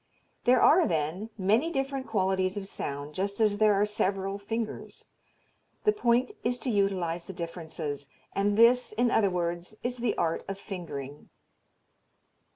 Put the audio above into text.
There are, then, many different qualities of sound, just as there are several fingers. The point is to utilize the differences; and this, in other words, is the art of fingering.